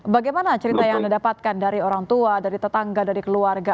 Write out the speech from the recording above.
bagaimana cerita yang anda dapatkan dari orang tua dari tetangga dari keluarga